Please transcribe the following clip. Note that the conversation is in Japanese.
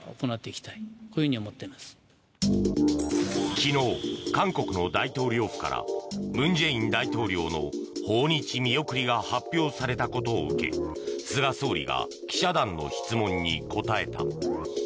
昨日、韓国の大統領府から文在寅大統領の訪日見送りが発表されたことを受け菅総理が記者団の質問に答えた。